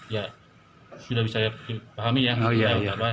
ya sudah bisa saya pahami ya